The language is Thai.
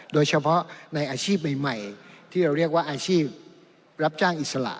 โดยเฉพาะในอาชีพใหม่ที่เราเรียกว่าอาชีพรับจ้างอิสระ